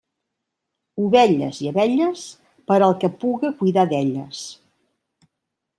Ovelles i abelles, per al que puga cuidar d'elles.